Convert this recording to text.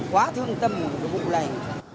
quá trung tâm một vụ này